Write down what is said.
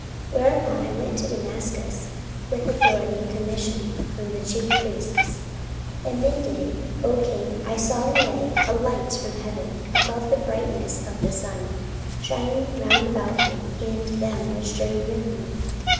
44:026:012 Whereupon as I went to Damascus with authority and commission from the chief priests, 44:026:013 At midday, O king, I saw in the way a light from heaven, above the brightness of the sun, shining round about me and them which journeyed with me.